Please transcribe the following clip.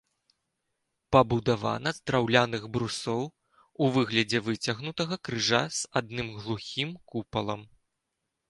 Пабудавана з драўляных брусоў, у выглядзе выцягнутага крыжа з адным глухім купалам.